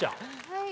はい。